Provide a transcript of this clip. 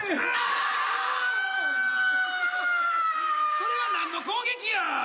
それはなんの攻撃や！